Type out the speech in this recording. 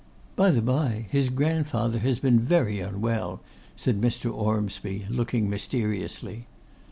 'By the bye, his grandfather has been very unwell,' said Mr. Ormsby, looking mysteriously.